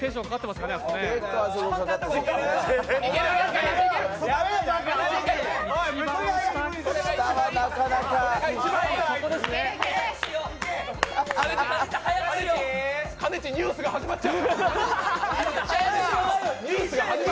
かねち、ニュースが始まっちゃう！